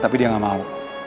tapi dia nggak mau